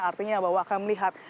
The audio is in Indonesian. artinya bahwa akan melihat